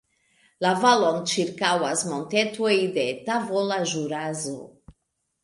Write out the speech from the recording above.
La valon ĉirkaŭas montetoj de la Tavola Ĵuraso.